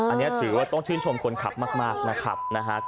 อันนี้ถือว่าต้องชื่นชมคนขับมากนะครับ